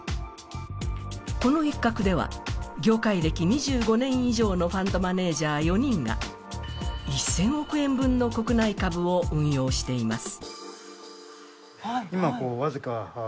この一角では、業界歴２５年以上のファンドマネージャー４人が１０００億円分の国内株を運用しています。